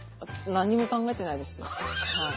何にも考えてないですはい。